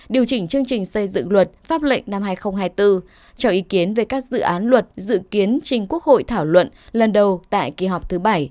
điều chỉnh chương trình xây dựng luật pháp lệnh năm hai nghìn hai mươi bốn cho ý kiến về các dự án luật dự kiến trình quốc hội thảo luận lần đầu tại kỳ họp thứ bảy